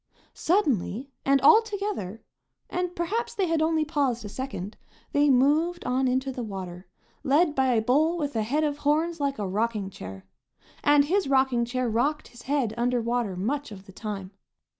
Suddenly and all together, and perhaps they had only paused a second, they moved on into the water, led by a bull with a head of horns like a rocking chair. And his rocking chair rocked his head under water much of the time.